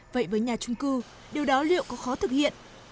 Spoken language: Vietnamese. vậy với nhà trung cư điều đó liệu có khó thực hiện